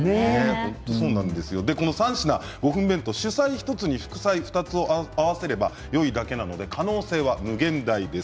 ３品５分弁当、主菜１つに副菜２つを合わせればよいだけなので可能性は無限大です。